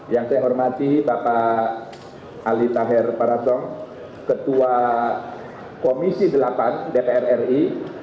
yang saya hormati bapak ali taher parasong ketua komisi delapan dpr ri